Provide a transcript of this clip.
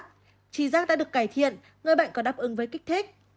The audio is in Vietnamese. trí giác đã được cải thiện người bệnh có đáp ứng với kích thích